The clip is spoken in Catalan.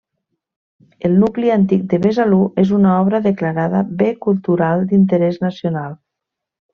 El nucli antic de Besalú és una obra declarada bé cultural d'interès nacional.